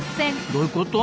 どういうこと？